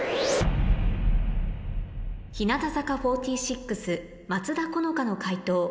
日向坂４６松田好花の解答